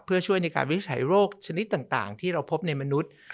เพื่อช่วยในการวิจัยโรคชนิดต่างที่เราพบในมนุษย์